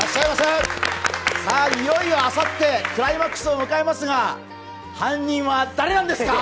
いよいよあさってクライマックスを迎えますが犯人は誰なんですか？